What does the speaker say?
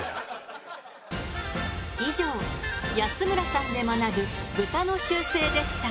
以上安村さんで学ぶブタの習性でした。